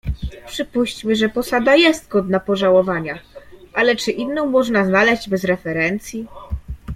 "Przypuśćmy, że posada jest godna pożałowania, ale czy inną można znaleźć bez referencji?"